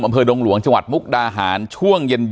ดงหลวงจังหวัดมุกดาหารช่วงเย็น